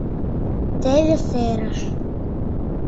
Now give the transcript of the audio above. Теве серыш.